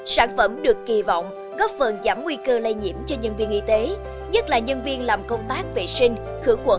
sản phẩm được kỳ vọng góp phần giảm nguy cơ lây nhiễm cho nhân viên y tế nhất là nhân viên làm công tác vệ sinh khử khuẩn